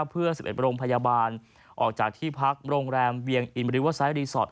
เพื่อ๑๑โรงพยาบาลออกจากที่พักโรงแรมเวียงอินบริเวอร์ไซต์รีสอร์ท